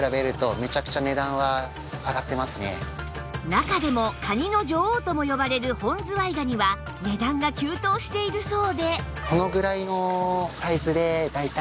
中でもカニの女王とも呼ばれる本ズワイガニは値段が急騰しているそうで